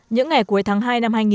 những ngày cuối tháng hai năm hai nghìn